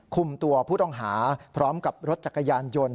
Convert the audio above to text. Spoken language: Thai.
คุมตัวผู้ต้องหาพร้อมกับรถจักรยานยนต์